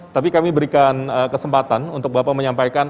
tapi kami berikan kesempatan untuk bapak menyampaikan